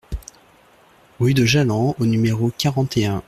Rue de Jallans au numéro quarante et un